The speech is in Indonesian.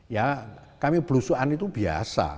ya kami belusuan itu biasa